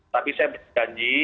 tapi saya berjanji